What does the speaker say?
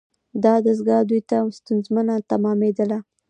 دا دستگاه دوی ته ستونزمنه تمامیدله.